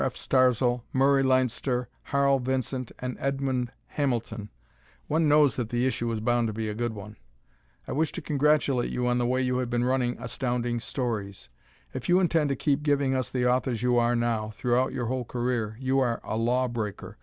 F. Starzl, Murray Leinster, Harl Vincent, and Edmond Hamilton, one knows that the issue is bound to be a good one. I wish to congratulate you on the way you have been running Astounding Stories. If you intend to keep giving us the authors you are now, throughout your whole career, you are a law breaker.